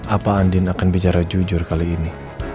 apa andin akan bicara jujur kali ini